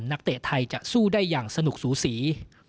เตะไทยจะสู้ได้อย่างสนุกสูสี